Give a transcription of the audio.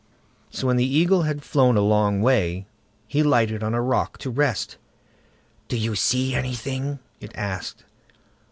So when the Eagle had flown a long way, he lighted on a rock to rest. "Do you see anything?" it asked.